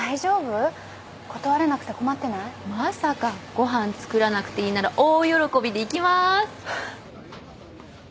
ご飯作らなくていいなら大喜びで行きます。